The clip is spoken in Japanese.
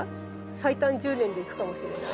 最短１０年でいくかもしれない。